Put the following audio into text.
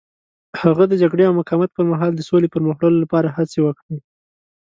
هغه د جګړې او مقاومت پر مهال د سولې پرمخ وړلو لپاره هڅې وکړې.